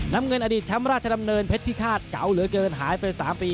น้ำเงินอดีตแชมป์ราชดำเนินเพชรพิฆาตเก่าเหลือเกินหายไป๓ปี